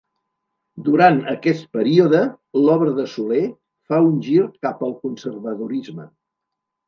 Durant aquest període, l'obra de Soler fa un gir cap al conservadorisme.